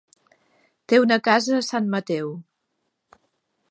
Té una casa a Sant Mateu.